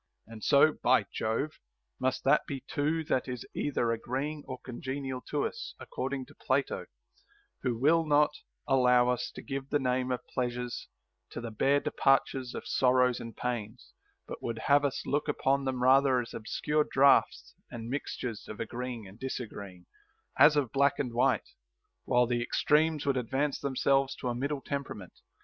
And so, by Jove, must that be too that is either agreeing or con genial to us, according to Plato, who will not allow us to give the name of pleasures to the bare departures of sorrows and pains, but would have us look upon them rather as obscure draughts and mixtures of agreeing and disagreeing, as of black and white, while the extremes would advance themselves to a middle temperament.